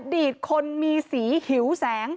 ดีตคนมีสีหิวแสง